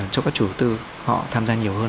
cho các chủ tư họ tham gia nhiều hơn